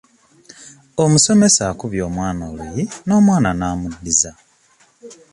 Omusomesa akubye omwana oluyi n'omwana n'amuddiza.